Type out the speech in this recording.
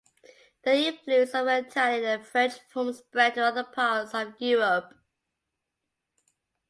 The influence of the Italian and French forms spread to other parts of Europe.